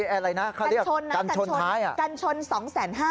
อะไรนะเขาเรียกกันชนท้ายอ่ะกันชน๒แสน๕